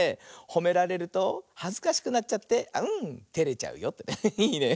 ほめられるとはずかしくなっちゃってテレちゃうよってね。